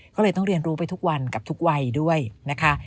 ก็เลยต้องเรียนรู้ไปทุกวันกับทุกวัยด้วยนะคะ